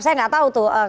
saya gak tahu tuh